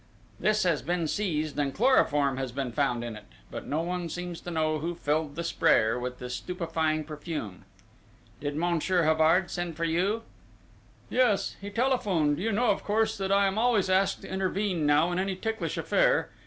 This has been seized and chloroform has been found in it; but no one seems to know who filled the sprayer with this stupefying perfume." "Did Monsieur Havard send for you?" "Yes, he telephoned. You know, of course, that I am always asked to intervene now in any ticklish affair!...